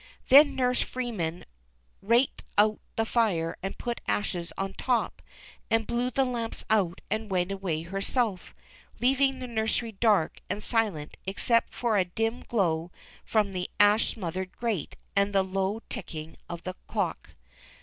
Then Nurse Freemair raked out the fire and put ashes on top, and bleAv the lamps out and Avent aAvay herself, leaAdng the nursery dark and silent except for a dim gloAv from the ash smothered grate and the low ticking of the clock.